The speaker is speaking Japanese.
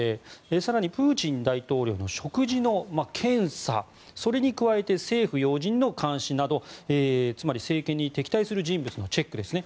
更にプーチン大統領の食事の検査それに加えて政府要人の監視などつまり政権に敵対する人物のチェックですね。